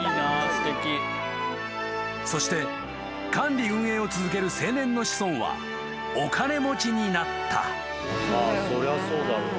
［そして管理運営を続ける青年の子孫はお金持ちになった］